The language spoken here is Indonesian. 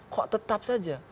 kok tetap saja